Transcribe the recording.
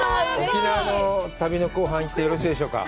沖縄の旅の後半、行ってよろしいでしょうか？